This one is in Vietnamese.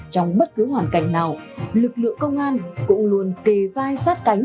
trong bất cứ hoàn cảnh nào lực lượng công an cũng luôn kề vai sát cánh